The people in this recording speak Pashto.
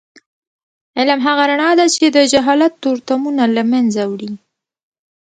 علم هغه رڼا ده چې د جهالت تورتمونه له منځه وړي.